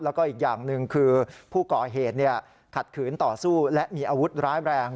แล้วก็อีกอย่างหนึ่งคือผู้ก่อเหตุขัดขืนต่อสู้และมีอาวุธร้ายแรง